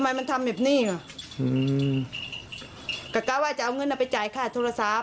เคยก็ไปดึงมันไว้พอเะแจ๋เอ้าตอนแรก